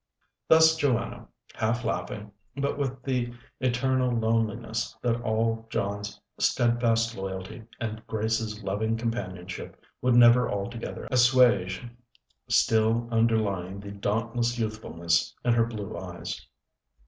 Thus Joanna, half laughing, but with the eternal loneliness that all John's steadfast loyalty and Grace's loving companionship would never altogether assuage still underlying the dauntless youthfulness in her blue eyes.